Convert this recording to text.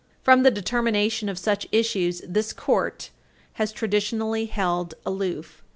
From the determination of such issues, this Court has traditionally held aloof.